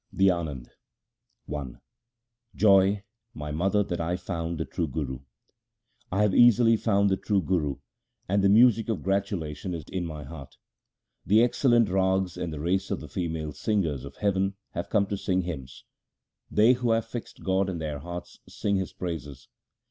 THE ANAND I Joy, my mother, that I have found the True Guru ! 1 I have easily found the True Guru, and the music of gratu lation is in my heart. The excellent Rags and the race of the female singers of heaven have come to sing hymns. They who have fixed God in their hearts sing His praises.